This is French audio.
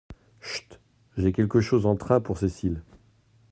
Chut !… j’ai quelque chose en train pour Cécile.